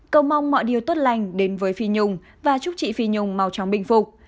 cầu mong mọi điều tốt lành đến với phi nhung và chúc chị phi nhung màu chóng bình phục